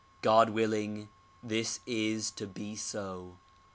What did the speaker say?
God willing, this is to be so.